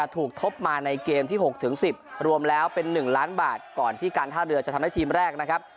ทบมาในเกมที่๖๑๐รวมแล้วเป็น๑ล้านบาทก่อนที่การท่าเรือจะทำได้ทีมแรกนะครับ